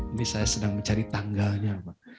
ini saya sedang mencari tanggalnya mbak